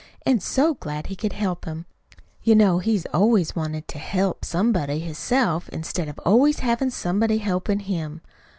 An' so glad he could help him. You know he's always so wanted to HELP somebody hisself instead of always havin' somebody helpin' him.